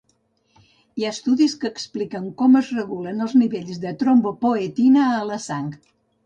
Hi ha estudis que expliquen com es regulen els nivells de trombopoetina a la sang.